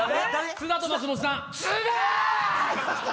津田と松本さん。